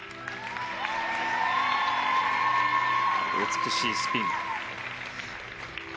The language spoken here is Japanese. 美しいスピン。